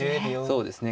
そうですね。